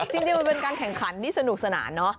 จริงมันเป็นการแข่งขันที่สนุกสนานเนอะ